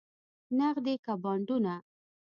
نغدې که بانډونه؟